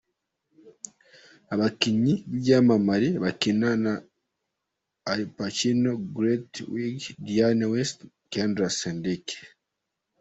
Abakinnyi b’ibyamamare bakinamo ni Al Pacino , Greta Gerwig , Dianne Wiest, Kyra Sedgwick.